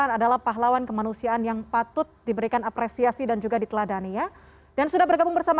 silahkan pak soni kalau mau sapa